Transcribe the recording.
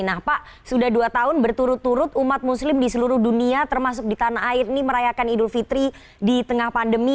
nah pak sudah dua tahun berturut turut umat muslim di seluruh dunia termasuk di tanah air ini merayakan idul fitri di tengah pandemi